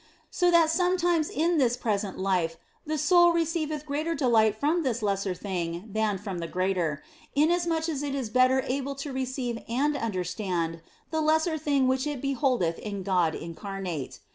So that sometimes in this present life the soul receiveth greater delight from this lesser thing than from the greater, inasmuch as it is better able to receive and understand the lesser thing which it beholdeth in God incarnate.